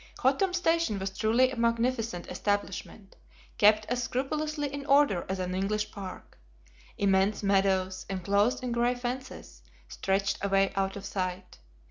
Hottam Station was truly a magnificent establishment, kept as scrupulously in order as an English park. Immense meadows, enclosed in gray fences, stretched away out of sight.